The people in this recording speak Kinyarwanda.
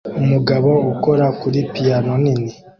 Umugabo ukora kuri piyano nini